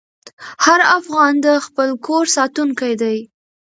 هر افغان د خپل کور ساتونکی دی.